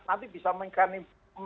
nanti bisa mengikami